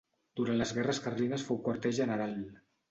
Durant les guerres carlines fou quarter general.